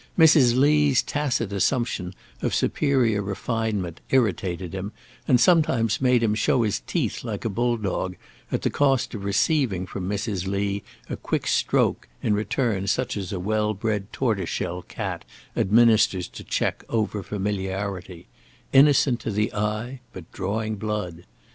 Mrs. Lee's tacit assumption of superior refinement irritated him, and sometimes made him show his teeth like a bull dog, at the cost of receiving from Mrs. Lee a quick stroke in return such as a well bred tortoise shell cat administers to check over familiarity; innocent to the eye, but drawing blood.